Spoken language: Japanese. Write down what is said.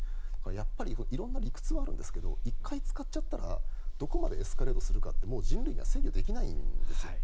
やっぱり色んな理屈はあるんですが１回使っちゃったらどこまでエスカレートするかって人類には制御できないんですよ。